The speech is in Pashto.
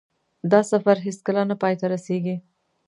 دا سفر هېڅکله نه پای ته رسېږي.